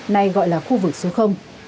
nay gọi là khu vực số